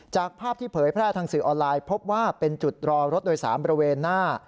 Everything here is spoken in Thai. จากภาพที่เผยแพร่ทางสื่อออนไลน์พบว่าเป็นจุดรอรถโดยสารบริเวณหน้า